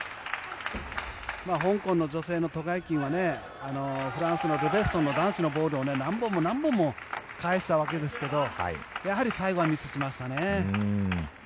香港の女性のト・ガイキンはフランスのルベッソンのボールを何本も何本も返したわけですがやはり最後はミスしましたね。